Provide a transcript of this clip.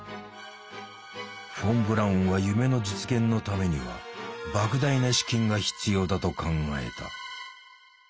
フォン・ブラウンは夢の実現のためにはばく大な資金が必要だと考えた。